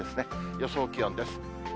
予想気温です。